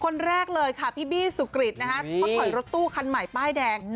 คนแรกเลยค่ะพี่บี้สุกริตนะฮะเขาถอยรถตู้คันใหม่ป้ายแดง